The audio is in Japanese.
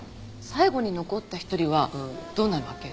最後に残った１人はどうなるわけ？